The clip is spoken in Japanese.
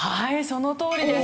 そのとおりです。